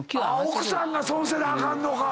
奥さんがそうせなあかんのか。